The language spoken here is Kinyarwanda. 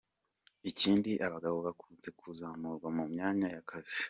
Ikindi abagabo bakunze kuzamurwa mu myanya y’akazi.